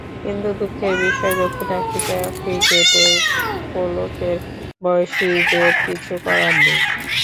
কিন্তু দুঃখের বিষয় দক্ষিণ আফ্রিকা ক্রিকেটে পোলকের বয়সীদের কিছু করার নেই।